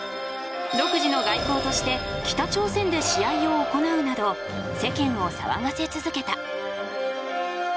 独自の外交として北朝鮮で試合を行うなど世間を騒がせ続けた。